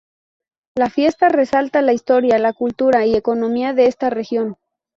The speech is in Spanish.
La fiesta resalta la historia, la cultura y economía de esta región.